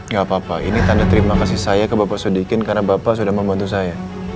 gak apa apa ini tanda terima kasih saya ke bapak sodikin karena bapak sudah membantu saya